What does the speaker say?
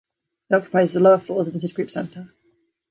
It occupies the lower floors of the Citigroup Center.